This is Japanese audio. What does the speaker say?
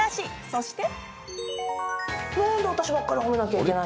そして。